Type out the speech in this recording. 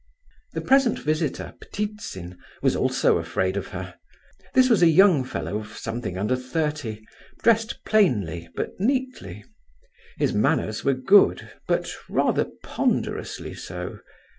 The present visitor, Ptitsin, was also afraid of her. This was a young fellow of something under thirty, dressed plainly, but neatly. His manners were good, but rather ponderously so.